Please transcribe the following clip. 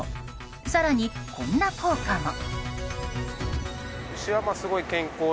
更に、こんな効果も。